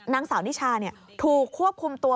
นางสาวนิชาถูกควบคุมตัว